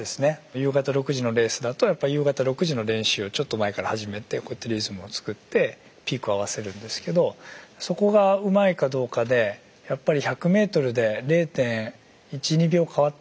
夕方６時のレースだとやっぱ夕方６時の練習をちょっと前から始めてこうやってリズムをつくってピークを合わせるんですけどそこがうまいかどうかでやっぱり１００ｍで０．１０．２秒変わってしまうんで。